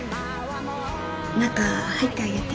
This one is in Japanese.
中入ってあげて。